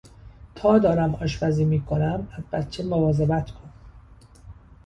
تا دارم آشپزی می کنم از بچه مواظبت کن.